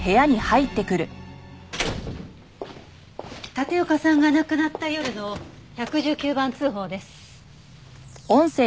立岡さんが亡くなった夜の１１９番通報です。